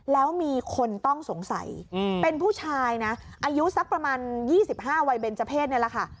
แล้วมีคนต้องสงสัยเป็นผู้ชายนะอายุสักประมาณ๒๕วัยเบนเจอร์เพศนี่แหละค่ะ